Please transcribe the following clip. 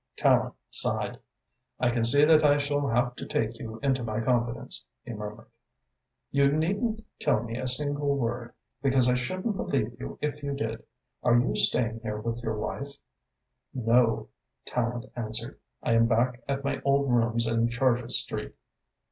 Tallente sighed. "I can see that I shall have to take you into my confidence," he murmured. "You needn't tell me a single word, because I shouldn't believe you if you did. Are you staying here with your wife?" "No," Tallente answered. "I am back at my old rooms in Charges Street."